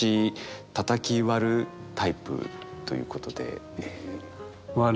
たたき割るタイプということで。